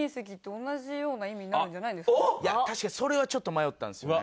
でもいや確かにそれはちょっと迷ったんですよね。